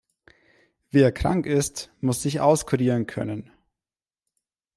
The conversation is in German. Wer krank ist, muss sich auskurieren können.